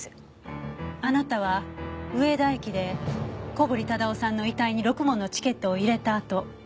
あなたは上田駅で小堀忠夫さんの遺体にろくもんのチケットを入れたあと